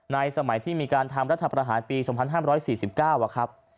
สมัยที่มีการทำรัฐประหารปี๒๕๔๙ครับ